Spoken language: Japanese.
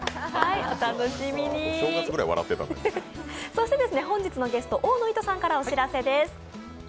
そして本日のゲスト、大野いとさんからお知らせです。